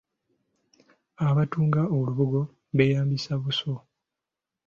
Abatunga olubugo beeyambisa buso.